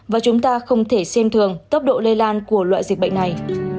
và chúng ta không thể xem thường tốc độ lây lan của loại dịch bệnh này